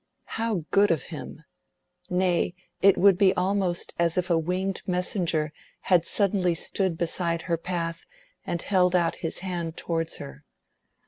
How good of him—nay, it would be almost as if a winged messenger had suddenly stood beside her path and held out his hand towards her!